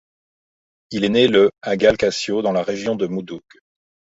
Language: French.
Il est né le à Galkacyo, dans la région de Mudug.